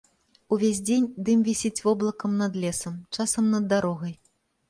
Увесь дзень дым вісіць воблакам над лесам, часам над дарогай.